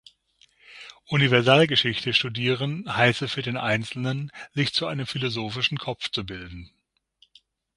Universalgeschichte studieren heiße für den Einzelnen, sich zu einem philosophischen Kopf zu bilden.